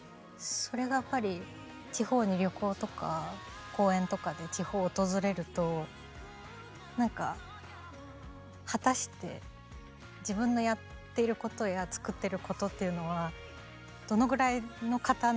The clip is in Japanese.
それがやっぱり地方に旅行とか公演とかで地方を訪れると何か果たして自分のやっていることや作っていることっていうのはどのぐらいの方の何をどうできてるんだろうみたいな。